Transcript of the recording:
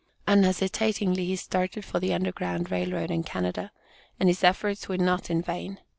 Unhesitatingly, he started for the Underground Rail Road and Canada and his efforts were not in vain.